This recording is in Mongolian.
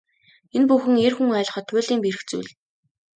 Энэ бүхэн эр хүн ойлгоход туйлын бэрх зүйл.